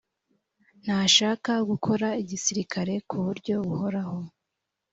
ntashaka gukora igisirikare ku buryo buhoraho